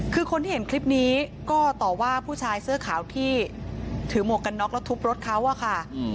คือคนที่เห็นคลิปนี้ก็ต่อว่าผู้ชายเสื้อขาวที่ถือหมวกกันน็อกแล้วทุบรถเขาอะค่ะ